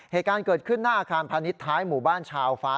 เหตุการณ์เกิดขึ้นหน้าอาคารพาณิชย์ท้ายหมู่บ้านชาวฟ้า